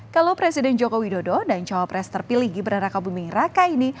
kalau presiden jokowi dodo dan cawa pres terpilih gibran raka buming raka ini